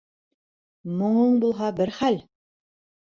Моңоң булһа бер хәл!